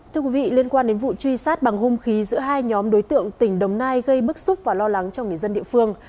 thưa quý vị liên quan đến vụ truy sát bằng hung khí giữa hai nhóm đối tượng tỉnh đồng nai gây bức xúc và lo lắng cho người dân địa phương